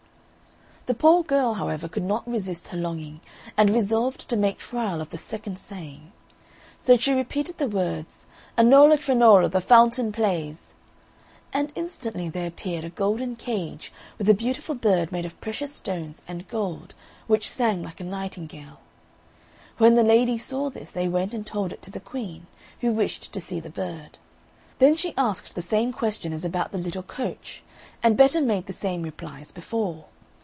The poor girl, however, could not resist her longing, and resolved to make trial of the second saying; so she repeated the words, "Anola tranola, the fountain plays!" and instantly there appeared a golden cage, with a beautiful bird made of precious stones and gold, which sang like a nightingale. When the ladies saw this they went and told it to the Queen, who wished to see the bird; then she asked the same question as about the little coach, and Betta made the same reply as before.